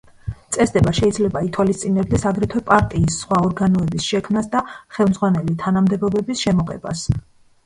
წესდება შეიძლება ითვალისწინებდეს აგრეთვე პარტიის სხვა ორგანოების შექმნას და ხელმძღვანელი თანამდებობების შემოღებას.